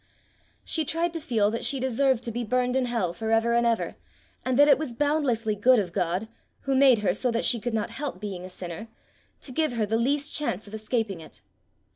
She tried to feel that she deserved to be burned in hell for ever and ever, and that it was boundlessly good of God who made her so that she could not help being a sinner to give her the least chance of escaping it.